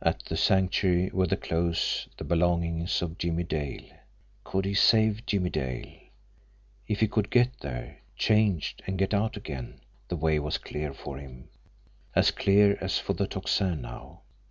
At the Sanctuary were the clothes, the belongings of Jimmie Dale. Could he save Jimmie Dale! If he could get there, change, and get out again, the way was clear for him as clear as for the Tocsin now.